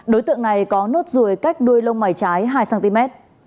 đối tượng này có nốt ruồi cách đuôi lông mày trái hai cm